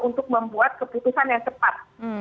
untuk membuat keputusan yang cepat